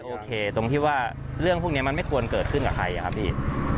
โอเคตรงที่ว่าเรื่องพวกนี้มันไม่ควรเกิดขึ้นกับใครครับพี่